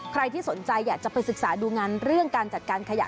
ใครที่สนใจอยากจะไปศึกษาดูงานเรื่องการจัดการขยะ